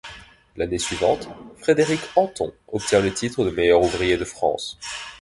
L'année suivante, Frédéric Anton obtient le titre de meilleur ouvrier de France.